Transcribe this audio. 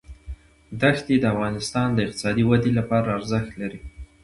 دښتې د افغانستان د اقتصادي ودې لپاره ارزښت لري.